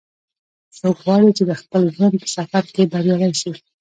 څوک غواړي چې د خپل ژوند په سفر کې بریالۍ شي